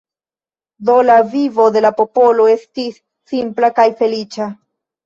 Do la vivo de la popolo estis simpla kaj feliĉa.